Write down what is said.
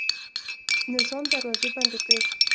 نظام دروازې بندې کړې.